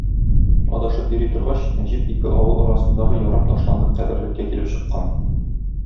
Адашып йөри торгач, Нәҗип ике авыл арасындагы ярым ташландык каберлеккә килеп чыккан.